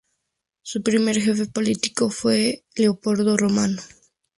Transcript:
Su primer jefe político fue Leopoldo Romano.